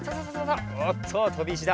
おっととびいしだ。